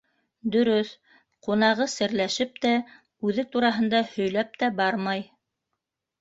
Дөрөҫ, ҡунағы серләшеп тә, үҙе тураһында һөйләп тә бармай.